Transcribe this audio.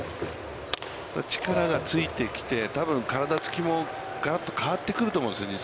力がついてきて、多分体つきもがらっと変わってくると思うんですよね。